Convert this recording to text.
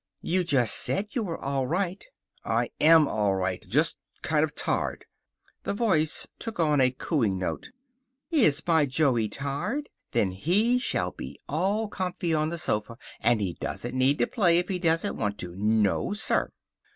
"You just said you were all right." "I AM all right. Just kind of tired." The voice took on a cooing note. "Is my Joey tired? Then he shall be all comfy on the sofa, and he doesn't need to play if he don't want to. No, sir."